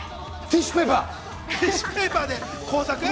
ティッシュペーパーで工作？